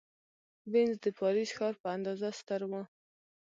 وینز د پاریس ښار په اندازه ستر و.